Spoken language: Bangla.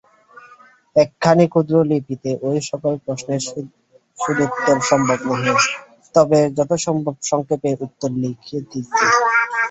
একখানি ক্ষুদ্র লিপিতে ঐসকল প্রশ্নের সদুত্তর সম্ভব নহে, তবে যথাসম্ভব সংক্ষেপে উত্তর লিখিতেছি।